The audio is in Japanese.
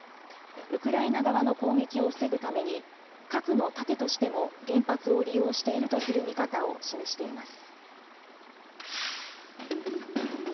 ウクライナ側の攻撃を防ぐために核の盾としても原発を利用しているとする見方を示しています。